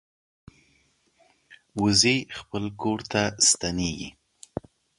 وزې خپل کور ته ستنېږي